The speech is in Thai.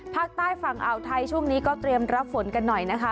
ภาคใต้ฝั่งอ่าวไทยช่วงนี้ก็เตรียมรับฝนกันหน่อยนะคะ